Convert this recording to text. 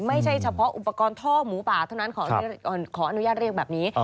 ไม่ใช่เฉพาะอุปกรณ์ท่อหมูป่าเท่านั้นขออนุญาตเรียกแบบนี้